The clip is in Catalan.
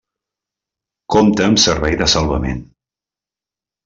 Compta amb servei de salvament.